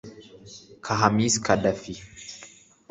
Khamis Gaddafi